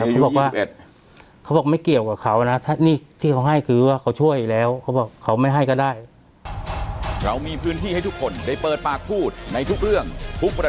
เขาบอกว่าเขาบอกว่าไม่เกี่ยวกับเขานะถ้านี่ที่เขาให้คือว่าเขาช่วยงี้แล้ว